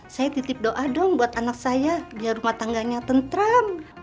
saya titip doa dong buat anak saya biar rumah tangganya tentram